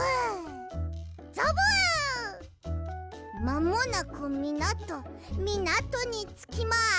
まもなくみなとみなとにつきます！